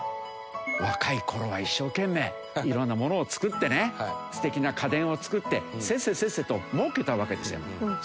若い頃は一生懸命色んなものを作ってね素敵な家電を作ってせっせせっせと儲けたわけですよ。